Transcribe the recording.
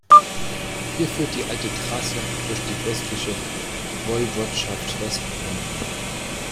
Hier führt die alte Trasse durch die westliche Woiwodschaft Westpommern.